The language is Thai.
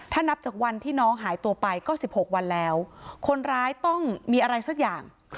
ถ้านับจากวันที่น้องหายตัวไปก็๑๖วันแล้วคนร้ายต้องมีอะไรสักอย่าง